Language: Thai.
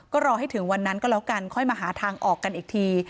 ก็รอให้ถึงวันนั้นก็แล้วกันค่อยมาหาทางออกกันอีกที